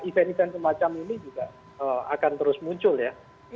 event event semacam ini juga akan terus muncul ya